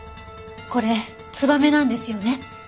これツバメなんですよね？